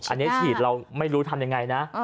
อันนี้ฉีดเราไม่รู้ทำยังไงนะ